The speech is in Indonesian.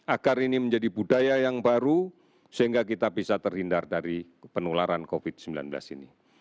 agar ini menjadi budaya yang baru sehingga kita bisa terhindar dari penularan covid sembilan belas ini